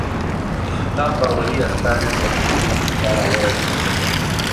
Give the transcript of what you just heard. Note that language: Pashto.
ستا باوري استازی زموږ حضور ته را ورسیږي.